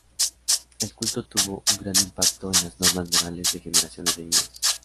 El culto tuvo un gran impacto en las normas morales de generaciones de niños.